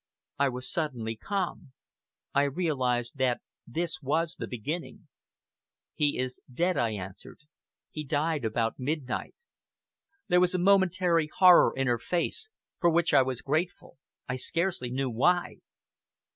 I was suddenly calm. I realized that this was the beginning. "He is dead," I answered. "He died about midnight." There was a momentary horror in her face, for which I was grateful I scarcely knew why.